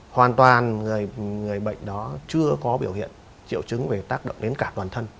hoàn toàn người bệnh đó chưa có biểu hiện triệu chứng về tác động đến cả toàn thân